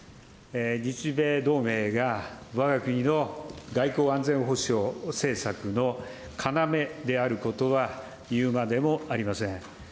日米同盟がわが国の外交安全保障政策の要であることは言うまでもありません。